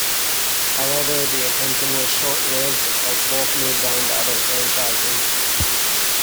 However, the attention was short lived, as both moved on to other franchises.